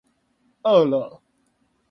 餓了